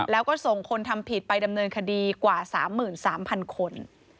แล้วก็ส่งคนทำผิดไปดำเนินคดีกว่า๓๓๐๐๐คน